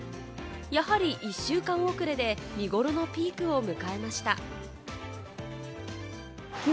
やはり１週間遅れで見頃のピークを迎えました。